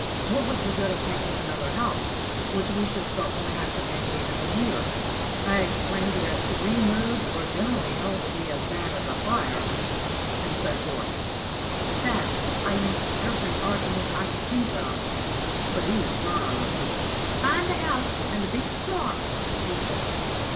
What was the good of taking another house, which we should certainly have to vacate in a year? I explained that three moves were generally held to be as bad as a fire, and so forth. In fact, I used every argument I could think of, but he was firm. "Find a house, and be smart," he said.